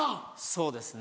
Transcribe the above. そうですね。